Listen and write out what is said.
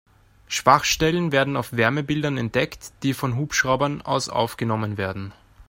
Schwachstellen werden auf Wärmebildern entdeckt, die von Hubschraubern aus aufgenommen werden.